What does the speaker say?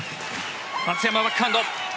松山、バックハンド。